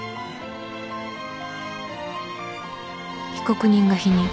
被告人が否認。